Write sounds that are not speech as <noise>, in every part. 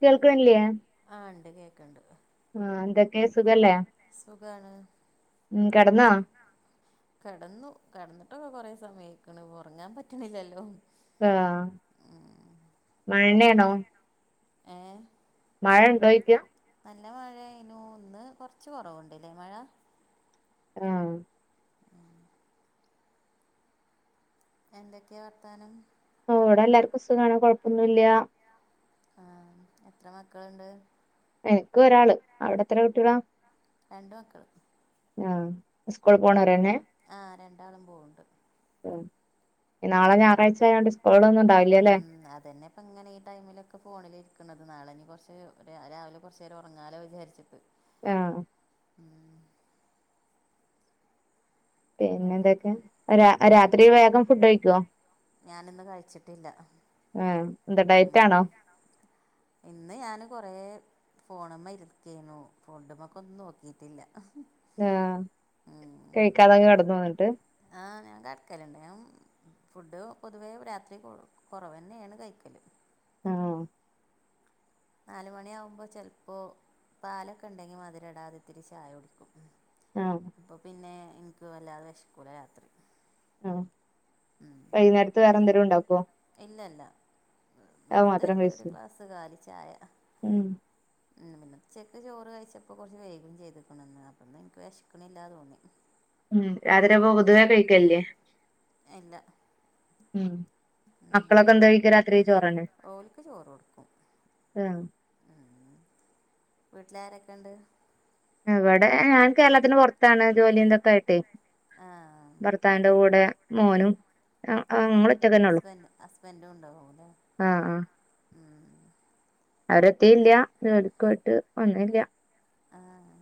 കേൾക്ൺല്ലേ ആ ഉണ്ട് കേൾക്കണ്ട് ആഹ് എന്തൊക്കെണ്‌ സുഖല്ലേ? സുഖാണ് ഉം കിടന്നാ കെടന്നു കെട്ന്നിട്ടൊക്കെ കൊറെ സമയായ് ക്കണ് ഉറങ്ങാൻ പറ്റണില്ലല്ലോ ആഹ് മയന്നേണോ? ഏ മഴ ഉണ്ടോക്യ? നല്ല മഴായിനു ഇന്ന് കൊറച്ച് കൊറവുണ്ട്ലെ മഴ ഉം <inaudible> എന്തൊക്കെ വർത്താനം? ഓവിടെ എല്ലാർക്കും സുഗാണ് കൊഴപ്പൊന്നു ഇല്ല. ആഹ് എത്ര മക്കള്ണ്ട്? എനിക്ക് ഒരാള് അവിടെ എത്ര കുട്ട്യാളാ രണ്ട് മക്കള് ആഹ് സ്കൂൾ ഉം പോണോരെന്നെ ആ രണ്ടാളും പോവണ്ട് ഉം നാളെ ഞായറാഴ്ച ആയൊണ്ട് സ്കൂളൊന്നും ഉണ്ടാവില്ല അല്ലേ? പ്പ ഇങ്ങനെ ഈ ടൈമിലൊക്കെ ഫോണിലിരിക്കണത് നാളെഇനി കൊറച്ച് രാവിലെ കുറചേരം ഉറങ്ങാലോ വിചാരിച്ചിട്ട്. ആഹ് ഉം പിന്നെ എന്തൊക്കെ രാ ഫുഡ് രാത്രി വേഗം ഫുഡ് കഴിക്കോ ഞാനിന്ന് കഴിച്ചിട്ടില്ല. ആഹ് എന്താ ഉം ഡയറ്റാണോ? ഇന്ന് ഞാന് കൊറേ ഫോണിമ്മെ ഇരുക്കേണു ഫോണ്ടമ്മക്ക ഒന്നും നോക്കിട്ടില്ല. ആഹ് കഴിക്കാതങ്ങ് കെടന്നോഎന്നിട്ട് ആഹ് ഞാൻ കട്ക്കല്ണ്ട് ഞാ ഫുഡ് പൊതുവേ രാത്രി കൊറവന്നെയാണ് കഴിക്കല് ആഹ് നാലുമണിയാവുമ്പോ ചെലപ്പോ പാലൊക്കെ ഇണ്ടെങ്കി മധുരടാതെത്തിരി ചായ കൊടുക്കും ആ അപ്പൊ പിന്നെ ഇൻക്ക് വല്ലാതെ വെഷക്കൂല രാത്രി. ഉം വൈന്നേരത്ത് വേറെ എന്തേലും ഉണ്ടാക്കോ ഇല്ലല്ല വെർതെ മാത്രം ഒരു കഴിച്ചു ഗ്ലാസ് കാലി ചായ ഉം ഉച്ചക്ക് ചോറ് കഴിച്ചപ്പോ കുറച്ച് വേയ്കും ചെയ്ത്ക്ക്‌ണ്. അപ്പൊന്ന് ഇനിക്ക് വെഷക്കിണില്ലാ തോന്നി. രാത്രി അപ്പൊ പൊതുവെ കഴിക്കല്ലേ? ഇല്ല ഉം. ഉം മക്കളൊക്കെ എന്താ കഴിക്കാ രാത്രി ചോറന്നേ ഓൽക്ക് ഉം വീട്ടിലാരൊക്കെണ്ട്? ഇവിടെ ഞാൻ കേരളത്തിന് പൊറത്താണ് ജോലിതൊക്കെയായിട്ടേ? ആഹ് ഇത്താന്റെ കൂടെ മോനും അ അ ഞമ്മള് ഹസ്ബന്റ് ഹസ്ബൻഡും ഉണ്ടാവുല്ലേ ആഹ് ഉം അവരെത്തി ഇല്ല ജോലികോയിട്ട് വന്നീല്ല ആഹ്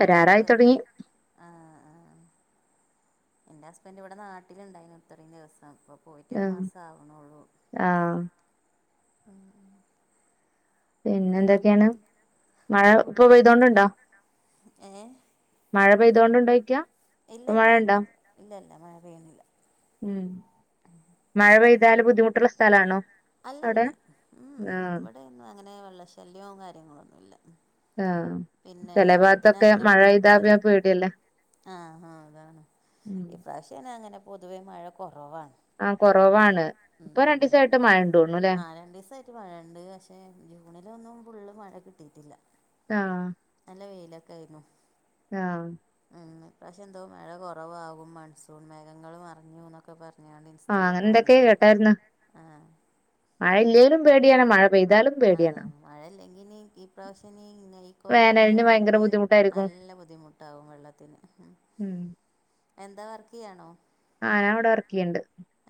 വരാറായി തുടങ്ങി ആഹ് ആഹ് എന്റെ ഹുസ്ബൻഡ് ഇവിടെ നാട്ടിലുണ്ടായിന് ഇത്രം ദിവസം ഇപ്പ പോയിട്ടൊരു ആഹ് മാസം ആവണള്ളൂ ആഹ് <inaudible> പിന്നെ എന്തൊക്കെയാണ് മക്കള് മഴ ഇപ്പൊ കുട്ടി ഉറങ്ങിയോ. പെയ്തോണ്ടുണ്ടോ ഏ മഴ പെയ്തോണ്ടുണ്ടോയ്ക്കാ ഇപ്പൊ ഇല്ലല്ല മഴ മ ഉണ്ടോ ഇല്ലല്ല മഴ പെയ്യ്ന്നില്ല ഉം. മഴ പെയ്താല് ബുദ്ധിമുട്ട്ള്ള സ്ഥലാണോ അവിടെ അല്ലല്ല ഉം. ആഹ് ഇവിടെന്നും അങ്ങനെ വെള്ള ശല്യവും കാര്യങ്ങളൊന്നുമില്ല. ആഹ് പിന്നെ ചില വെള്ളത്തിന് ഭാഗത്തൊക്കെ അങ്ങനെ മഴ ബുദ്ധിമുട്ടും പെയ്താ വരില്ല പിന്നെ പേടിയല്ലേ ആഹ് ആഹ് അതാണ് ഉം പ്രാവശ്യന അങ്ങനെ പൊതുവേ മഴ കുറവാണ് ആഹ് കുറവാണ് ഉം ഇപ്പൊ രണ്ടു ഉം ദിവസമായിട്ട് മഴ ഉണ്ടോണു അല്ലേ ആഹ് രണ്ട് ദിവസ മഴയുണ്ട് പക്ഷെ ജൂണിലൊന്നും ഫുള്ള് മഴ കിട്ടിയിട്ടില്ല ആഹ് നല്ല വെയിലൊക്കെ ആയിരുന്നു ആഹ് പക്ഷെന്തോ മഴ കൊറവാകും മൺസൂൺ മേഘങ്ങള് മറഞ്ഞുന്നൊക്കെ പറഞ്ഞ് ഞാണ്ട് ആഹ് അങ്ങനെ ഇൻസ്റ്റയിലൊക്കെ എന്തൊക്കെയോ വന്നീന്നാ കേട്ടായിരുന്നു ആഹ് മഴ ഇല്ലേലും പേടിയാണ് മഴ പെയ്താലും അതെ പേടിയാണ് മഴല്ലെങ്കിനി ഈ പ്രാവശ്യനി <unintelligible> വേനലിന് ഭയങ്കര പോലൊണെന്നുണ്ടെങ്കി ബുദ്ധിമുട്ടായിരിക്കും നല്ല ബുദ്ധിമുട്ടാവും വെള്ളത്തിന് ഉം എന്താർക്ക് ചെയ്യാണോ ആഹ് ഞാവിടെ വർക്ക് ചെയ്യണ്ട്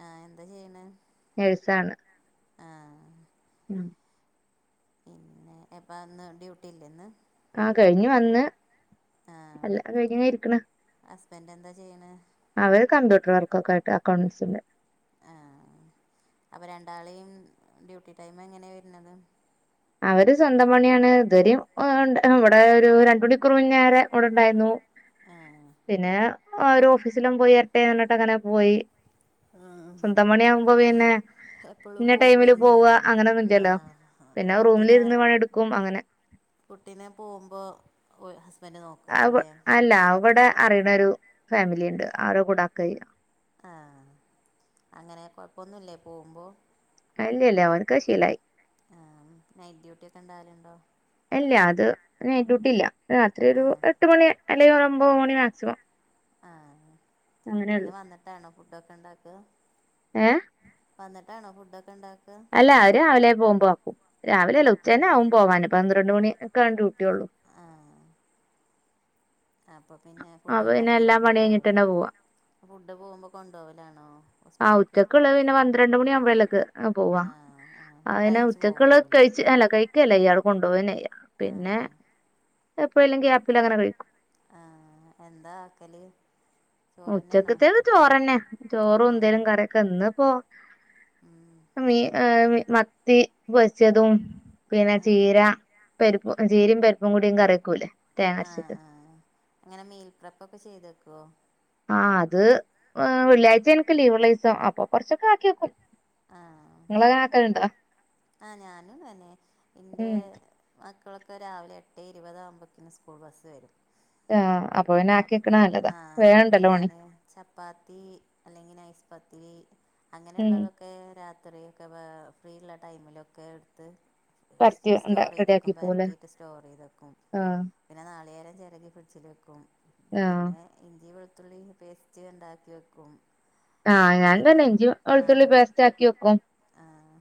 ആഹ് എന്താ ചെയ്യണെ ഴ്സാണ് ആഹ് <inaudible> പിന്നെ എപ്പന്ന് ഡ്യൂട്ടി ഇല്ലേന്ന് ആഹ് കെഴിഞ്ഞ് വന്ന് അല്ലാ കഴിഞ്ഞ്ങ് ഇരിക്ക്ന്ന് അസ്ബൻഡെന്താ ചെയ്യണെ അവര് കമ്പ്യൂട്ടർ വർക്കൊക്കായിട്ട് അക്കൗണ്ട്സിന്റെ ആഹ് അപ്പ രണ്ടാളെയും ഡ്യൂട്ടി ടൈമെങ്ങനെയാ വെരുന്നത് അവര് സ്വന്തം പണിയാണ് ഇതുവരേം ഒണ്ട് ഇവിടെ ഒര് രണ്ടണിക്കൂർ മുന്നേരെ ഇവിടൊണ്ടായിരുന്നു ആഹ് പിന്നെ അവരോഫീസിലും പോയെരട്ടറന്നിട്ടങ്ങനെ പോയി സ്വന്തം പണിയാമ്പോ പോപിന്നെ എപ്പോഴും ഇന്ന പോവും ടൈമില് വരും പോവ്വ ചെയ്യാലല്ലേ അങ്ങനൊന്നില്ലല്ലോ ആഹ് റൂമിലിരുന്ന് പണി എടുക്കും അങ്ങനെ കുട്ടിനെ പോമ്പോ ഓ ഹസ്ബന്ഡന്റ് നോക്കു അ അല്ല അവിടെ അറിയണ ഒരു ഫാമിലിണ്ട് അവരെ കൂടാക്കായ്യ ആഹ് അങ്ങനെ കൊയപ്പൊന്നുല്ലേ പോമ്പോ അല്ല ഇല്ല അവന്ക്കശീലായി ആഹ് നൈറ്റ് ഡ്യൂട്ടിക്കെണ്ടാവാലുണ്ടോ ഇല്ല അത് നൈറ്റൂട്ടില്ല രാത്രി ഒരു ആഹ് എ എട്ട് മണി അല്ലെ ഒരൊമ്പമണി മാക്സി ആഹ് പിന്ന വന്നിട്ടാണോ ഫുഡക്കെണ്ടാക്ക്ക ഏ വന്നിട്ടാണോ ഫുഡക്കെണ്ടാക്ക അല്ല അയ് രാവിലെ പോമ്പാക്കു രാവിലെ അല്ല ആക്കൂലേ ഉച്ചാന്നാവും പോവാന് പന്ത്രണ്ട് മണിക്കെ ഡ്യൂട്ടിള്ളൂ ആഹ് അപ്പപിന്നെ അപ്പൊ പിന്നെ എല്ലാ ഫുഡൊക്കാക്കീട്ട് പണി പോവലെ കഴിഞ്ഞിട്ടന്നെ പോവാ ഫുഡ് പോവുമ്പോ കൊണ്ടോവലാണോ ആഹ് ഹോസ്പിറ്റല്ക്ക് ഉച്ചക്കുള്ളത് പിന്നെ പന്ത്രണ്ട് മണി ആവുമ്പോഴേക്ക് പോവാ അനെ ഉച്ചക്ള്ള കഴിച്ച് അല്ല കഴി ക്കല്ല ഇയാള് കൊണ്ടവന്നെയു ആ പിന്നെ എപ്പഴ ല്ല ഗാപ്പിൽ അങ്ങനെ കഴിക്കും ആഹ് എന്താ ആക്കല് ഉച്ചക്കത്തേക്ക് ചോറന്നെ ചോറും ആ എന്തേലും കറിക്കെ ഇന്ന്പ്പോ ഉം. മീ മത്തി പൊരിച്ചതും പിന്നെ ചീര പരിപ്പും ചീരയും പരിപ്പും കൂടിയും കറിക്കും <unintelligible> ആഹ് ആഹ അങ്ങനെ മീൽപ്രപ്പൊ <unintelligible> ക്കെ ചെയ്തെക്കുവോ ആ് അത് വെള്ളിയാഴ്ച എനക്ക് ലീവള്ള ദസം അപ്പൊ കൊറച്ചൊക്കെ ആാക്കിക്കും ആഹ ആഹ ഞാനും തന്നെ ഇന്റെ ഉം മക്കളൊക്കെ രാവിലെ എട്ടെ ഇരുപത ആകുമ്പോത്തക്കിന്ന് സ്കൂൾ ബസ്സ് വരും ആഹ് അപ്പൊ പിന്നെ ആക്കി അഹ് വെക്കണ നല്ലതാ ആഹ് അപ്പ വേഗണ്ടല്ലോ പണി ഞാന് ചപ്പാത്തി അല്ലെങ്കി നൈസ് പത്തിരി ഉം അങ്ങനെള്ളതാെ ക്ക് രാത്രിയൊക്കെ വേ ഫ്രീള്ള ടൈമിലൊക്കെ ഇട്ത്ത് പരത്തി സ്റ്റോർ റെഡിയാക്കി ചെയ്തേക്കും പോവൂലേ പരത്തിയിട്ട് സ്റ്റോർ ചെയ്തക്കും ആഹ് പിന്നെ നാളികേരം ചിരകി ഫ്രിഡ്ജിൽ വെക്കും ആഹ് പിന്നെ ഇഞ്ചി വെളുത്തുള്ളി പേസ്റ്റ് ഉണ്ടാക്കി വെക്കും ആ ഞാൻ തന്നെ പിന്നെ ഇഞ്ചി വെളുത്തുള്ളി പേസ്റ്റ് ആക്കി വെക്കും ആഹ്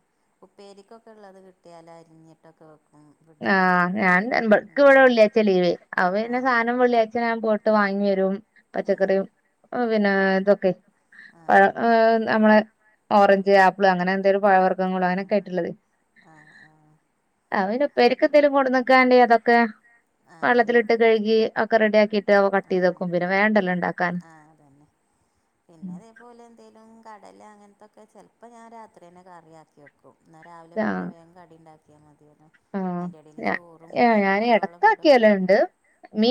ഉപ്പേരിക്കൊക്കെ ഉള്ളത് കിട്ടിയാൽ അരിഞ്ഞിട്ടൊക്കെ വെ ആഹ് ഞാൻക്ക് ഇവിടെ വെള്ളിയാഴച്ച ലീവ് അപ്പ ആ പിന്നെ സാധനം വെള്ളിയാഴ്ച്ച ഞാൻ പോയിട്ട് വാങ്ങി വരും ആ പച്ചക്കറിയും പിന്നെ ഇതൊക്കെ ആ പഴ നമ്മളെ ഓറഞ്ച് ആപ്പിൾ അങ്ങനെ എന്തെലും പഴവർഗ്ഗൾ അങ്ങനെയക്ക ആയിട്ടുള്ളത് ആഹ് ആഹ് അവന് ഉപെരിക്കെന്തേലും കൊണ്ട് നക്കാണ്ടേ അതൊക്കെ വെള്ളത്തിലിട്ട് ആഹ് കഴുകി ഒക്കെ റെഡിയാക്കിട്ട് കട്ട് ആഹ് ചെയ്തെക്കും പിന്നെ വേണ്ടല്ലോ ഉണ്ടാക്കാൻ ആഹ് അതന്നെ പിന്നെ അതേപോലെ എന്തേങ്കലും കടല അങ്ങനത്തൊക്കെ ചെലപ്പോ ഞാൻ രാത്രി തന്നെ കറിയാക്കി വെക്കും ന്നാ രാവിലെ ആഹ് പിന്നെ വേം കടിണ്ടാക്ക്യാ മത്യേലോ ആഹ് അതിറെ ഇടയില് ഞാ ചോറും ഏഹ് കുട്ട്യാൾക്ക് ഞാന് കൊണ്ടുപോവാനുള്ള ഫുഡൊക്കെ എടക്കാക്കിയലുണ്ട്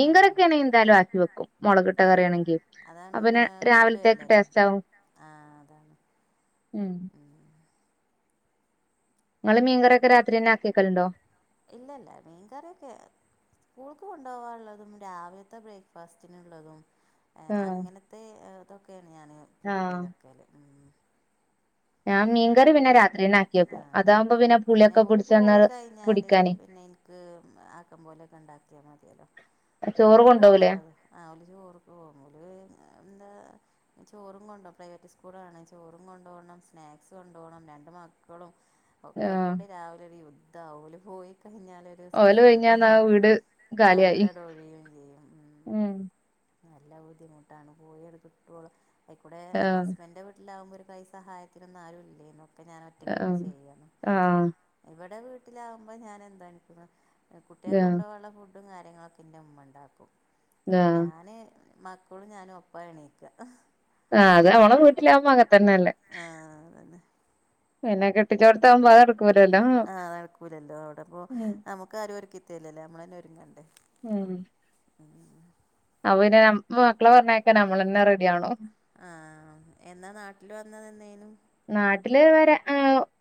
ആഹ് ആണെങ്കി എന്തായാലും ആക്കി വെക്കും മുളകിട്ട ആഹ് കറിയാണെങ്കി അപ്പൊ അതാണെങ്കി പിന്നെ കേടു രാവിലത്തേക്ക് വരില്ലല്ലോ ടേസ്റ്റ് ആവും ആഹ് അതാണ് ഉം ഉം നിങ്ങള് മീൻകറി ഒക്കെ രാത്രി തന്നെ ആക്കിക്കലുണ്ടോ ഇല്ല ഇല്ല മീൻകറൊക്കെ സ്കൂൾക്ക് കൊണ്ടുപോകറുള്ളതും രാവിലത്തെ ബ്രേക്ക്ഫാസ്റ്റിനുള്ളതും ഹെ ആഹ് അങ്ങനത്തെ ഇതൊക്കെയാണ് ഞാൻ പ്രപ്പർ ആഹ് ചെയ്തവെക്കൽ ഞാൻ മീൻകറി പിന്നെ രാത്രിന്നെ ആക്കിയേക്കും ആഹ് അതാവുമ്പോ പിന്നെ പുളിയൊക്കെ ഓല് കുടടിച്ച്ന്നാ പോയി കഴിഞ്ഞാല് പുടിക്കാനേ <unintelligible> ആക്കം പോലൊക്കെ ഉണ്ടാക്കിയാൽ മതിയല്ലോ ചോറ് ഓല്ക്ക് കൊണ്ടോവൂലേ പോവള്ളത് ഓല് ചോറൊക്കെ വാങും എന്താ ചോറും കൊണ്ടോ പ്രൈവറ്റ് സ്കൂളാ ആണെ ചോറും കൊണ്ടോഓണം സ്നാക്സ് കൊണ്ടപോണം രണ്ട് മക്കളും ഒക്കെ ആഹ് കൂടി രാവിലെ ഒരു യുദ്ധം ഓല് പോയി കഴിഞ്ഞാൽ ഓല് സ്വസ്ഥത ഒഴിഞ്ഞന്നാ വീട് കാലിയായി ആവിടെടെ ഒഴിയയും ചെയ്യും <unintelligible> ഉം ഉ നല്ല ബുദ്ധിമുട്ടാണ് പോയി കിട്ടോളം അഴിക്കൂടെ ആഹ് ഹസ്ബൻ്റെവീ <unintelligible> കുമ്പോ ഒരു കൈ സഹായത്തിനൊന്നും ആരും ഇല്ലേന്നു ഇപ്പൊ ഞാൻ ഒറ്റക്ക്ന്നെ ആഹ് ചെയ്യല് ആഹ് ഇവിടെ വീട്ടിലാകുമ്പോൾ ഞാൻ എന്താണ്ണ <unintelligible> കുട്ടിയാക്ക് ആഹ് കൊണ്ടുപോകാനുള്ള ഫുഡ് ഫുഡും കാര്യങ്ങളൊക്കെ ന്റെ മ്മ ഉണ്ടാക്കും ആഹ് ഞാൻ മക് മോളും ഞാനും ഒപ്പ എണീക്ക ആഹ് അത് <unintelligible> നമ്മളെ വീട്ടിലാവുമ്പോ ആന്നെ <unintelligible> മെനകേ ആഹ് നടക്കൂലല്ലോ അവിടപ്പ ഉം നമുക്ക് ആാരക്ക അത്യല്ലല്ലേ നമ്മളന്നെ ഒരുങ്ങണ്ടേ ഉം <unintelligible> ആഹ <unintelligible> അപ്പൊ പിന്നെ മക്കളെ പറഞ്ഞേക്കാ നമ്മൾ തന്നെ റെഡിണോ ആഹ എന്നാ നാട്ടിൽ വന്ന എന്നേയുന്നു നാട്ടില് വരാ ഏ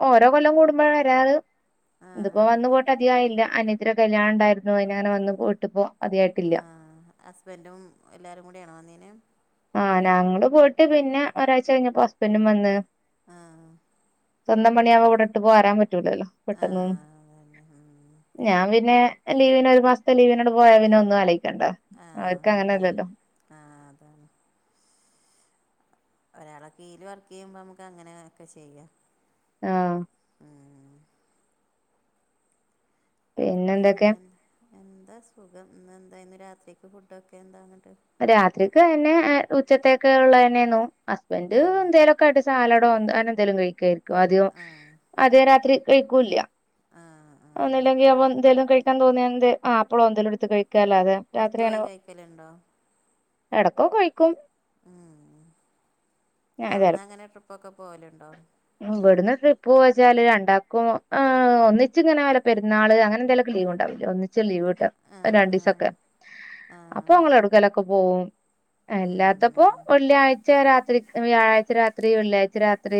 ഓരോ കൊല്ലം കൂടുമ്പാ വരാറ് ഇതിപ്പോ ആഹ് വന്നു പോയിട്ട് അധികായില്ല അനിത്തിൻ്റെ കല്യാണം ഉണ്ടായിരുന്നു അതിനങ്ങനെ വന്ന് പോയിട്ടിപ്പോ അധികായിട്ടില്ല ആ ഹസ്ബൻ്റും എല്ലാരും കൂടെയാണോ വന്നേന് ആ ഞങ്ങള് പോയിട്ട് പിന്നെ ഒരാഴ്ച കഴിഞ്ഞപ്പോ ഹസ്ബൻഡും വന്ന് ആഹ് സ്വന്തം പണിയാവുമ്പോ ഇവിടെ ഇട്ട് പോരാൻ പറ്റൂലല്ലോ പെട്ടെന്ന് ആഹ് അതന്നെ ഉം ഞാൻ പിന്നെ ലീവിന് ഒരു മാസത്തെ ലീവിനങ്ങട് പോയാ പിന്നെ ഒന്നും ആലോയിക്കണ്ട ആ അവർക്ക് ഹ ഹ അങ്ങനെയല്ലല്ലോ ആ അതാണ് ഒരാളെ കീയില് വർക്ക് ചെയ്യുമ്പോ നമ്മക്ക് അങ്ങനക്കെ ചെയ്യാം ആ ഉം പിന്നെ എന്ത് എന്താ സുഖം ഇന്നെന്താ ഇന്ന് രാത്രിക്ക് ഫുഡൊക്കെ എന്താന്നിട്ട് രാത്രിക്ക് അന്നെ ഉച്ചത്തേക്ക് ഉള്ളെന്നായിരുന്നു ഹസ്ബൻഡ് ആഹ് എന്തേലൊ ക്കായിട്ട് സാലഡോ അങ്ങനെന്തേലും കഴിക്കായിരിക്കും ആദ്യം ആഹ് അധികം രാത്രി കഴിക്കൂല്ല ആഹ് ആഹ് ഒന്നൂല്ലെങ്കിൽ അവ എന്തേലും കഴിക്കാൻ തോന്നിയാ എന്തേ ആപ്പിളോ എന്തേലും എടുത്ത് കഴിക്കല്ലാതെ പൊറത്ത് പോയി കഴിക്കലുണ്ടോ എടക്കോ കഴിക്കും ഉം ഞാൻ അവിടുന്ന് ചെലപ്പോ എങ്ങനെ ട്രിപ്പൊക്കെ പോവലുണ്ടോ ഇവിടുന്ന് ട്രിപ്പ് പോവാച്ചാല് രണ്ടാക്കും ഏ ഒന്നിച്ച് ഇങ്ങനെ വല്ല പെരുന്നാള് അങ്ങനെ എന്തേലൊ ലീവ് ഉണ്ടാവില്ല ഒന്നിച്ചാ ലീവ് കിട്ടുവാ അത് ആഹ് ആഹ് രണ്ടിസക്കെ അപ്പൊ ആഹ് ഞങ്ങള് എവിടെക്കലൊക്കെ പോവും ഉം അല്ലാ ത്തപ്പൊ ഉം വെള്ളിയാഴ്ച രാത്രിക്ക് വ്യാഴാഴ്ച രാത്രി വെള്ളിയാഴ്ച രാത്രി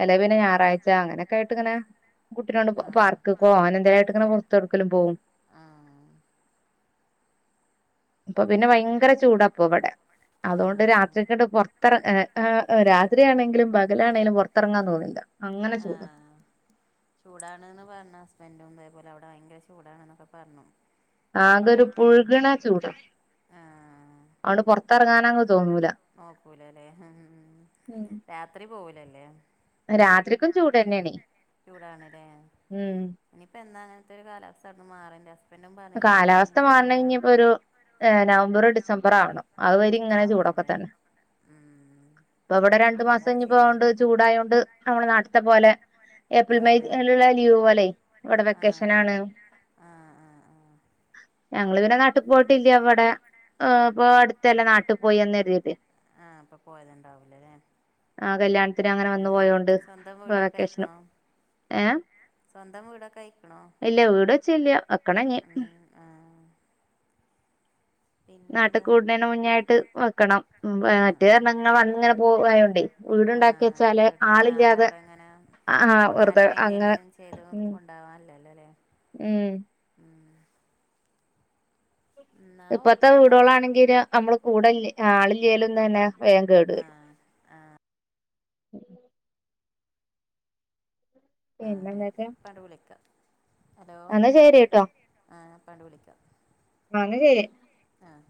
അല്ലെ പിന്നെ ഞായറാഴ്ച അങ്ങനെയൊക്കെ ആയിട്ടിങ്ങനെ കുട്ടിനോണ്ട് ആഹ് പാർക്ക് പോ അങ്ങനെ എന്തേലായിട്ടങ്ങനെ പുറത്ത് എവിടേക്കലും പോവും ആഹ് ഇപ്പൊ പിന്നെ ഭയങ്കര ചൂടാപ്പം ഇവിടെ അതുകൊണ്ട് ആഹ് ആഹ് രാത്രിങ്ങട് പുറത്ത് ഹേ ഹേ രാത്രിയാണെങ്കിലും കലാണേലും പുറത്തിറങ്ങാൻ തോന്നൂല്ല ആഹ് ചൂടാണന്ന് പറഞ്ഞ് ഹസ്ബൻ്റും തേപോലെ അവിടെ ഭയങ്കര ചൂടാണന്നൊക്കെ പറഞ്ഞു. ആകെ ഒരു പുഴുകണ ചൂട് ആഹ് അതോണ്ട് പുറത്തിറങ്ങാനങ്ങ് തോന്നൂല നോക്കൂലല്ലേ ഉം ഉം ഉം രാത്രി പോകൂലല്ലേ രാത്രിക്കും ചൂട് തന്നെയാണ് ചൂടാണല്ലേ ഇനിയിപ്പ എന്നാണ് അങ്ങനത്തെ ഒരു കാലാവസ്ഥ ഒന്ന് മാറേണ്ട കാലാവസ്ഥ മാറണെങ്കിപ്പൊരു ഏഹ് നവംബറ് ഡിസംബറ് ആവണം അതുവരെ ഇങ്ങനെ ചൂടൊക്കെ ആവണല്ലേ തന്നെ ഉം ഇവിടെ രണ്ടു മാസം എന്താ ചെയ്യ പോവണ്ട ഇനിയിപ്പോ ചൂടായൊണ്ട് നമ്മുടെ നാട്ടിത്തെ പോലെ ഏപ്രിൽ ആഹ് മെയ് ലുള്ള ലീവ് പോലെ ഇവിടെ ആഹ് വെക്കേഷന് ആണ് ആഹ് ആഹ് ആഹ് ഞങ്ങള് പിന്നെ നാട്ടിൽ പോയിട്ടില്ല ഇവിടെ ഏഹ് ഇപ്പോ അടുത്തന്നെ നാട്ടിൽ പോയി വന്നരരുത് ആഹ് അപ്പൊ പോയതുണ്ടാവൂലല്ലേ ആഹ് കല്യാണത്തിന് അങ്ങനെ വന്നു ഉം പോയോണ്ട് സ്വന്തം വീടൊക്കെ വെക്കേഷനും ആയിക്കണോ ഏഹ് സ്വന്തം വീടൊക്കെ ആയിക്കണോ ഇല്ല വീട് വെച്ചില്ല വെക്കണം ഇനി ഉം ആഹ് നാട്ട് പിന്നെന്താ കൂടുന്നേനെ മുന്നായിട്ട് വെക്കണം ഉം ഏഹ് മറ്റെന്ന് പറഞ്ഞ ഞങ്ങൾ അങ്ങനെ പോവായോണ്ടേ ആഹ് വീടുണ്ടാക്കി വെച്ചാല് ആഹ് ഓടി ആളില്ലാതെ അതവിടെങ്ങനെ ആ പിന്നെ വെറുതെ ആരും അങ്ങനെ മെയിന്റയിനൻസ് ചെയ്തു ഉം ആഹ് ല്ലല്ലോ ല്ലേ ഉം ഉം എന്നാ ഇപ്പത്തെ ഓക്കെ എന്നാല് വീടോളാണെങ്കില് നമ്മള് കൂടെ ആളില്ലേലും തന്നെ വേഗം കേടു വരും അഹ് ആഹ് ആ അതെ പിന്നെന്തൊക്കെ പാണ്ട് വിളിക്കാം ഹലോ എന്നാ ശരിട്ടോ ആ ഞാപണ്ട് വിളിക്കാം <unintelligible> ആഹ്